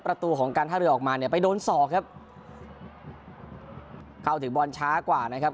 ประตูของการท่าเรือออกมาเนี่ยไปโดนศอกครับเข้าถึงบอลช้ากว่านะครับ